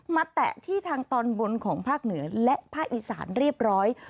แตะที่ทางตอนบนของภาคเหนือและภาคอีสานเรียบร้อย